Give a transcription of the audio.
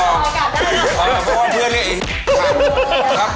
ออกว่าเพื่อนเนี่ยเอง